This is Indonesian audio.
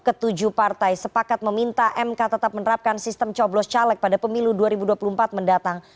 ketujuh partai sepakat meminta mk tetap menerapkan sistem coblos caleg pada pemilu dua ribu dua puluh empat mendatang